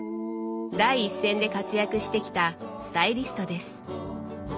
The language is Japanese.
第一線で活躍してきたスタイリストです。